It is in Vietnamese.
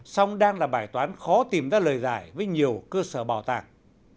song đang là bài toán khó tìm ra lời giải với nhiều cơ sở bảo tàng